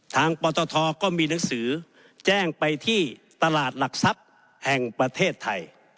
ปตทก็มีหนังสือแจ้งไปที่ตลาดหลักทรัพย์แห่งประเทศไทย